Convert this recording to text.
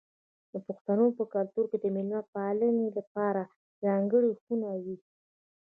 د پښتنو په کلتور کې د میلمه پالنې لپاره ځانګړې خونه وي.